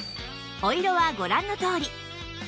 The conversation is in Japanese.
お色はご覧のとおり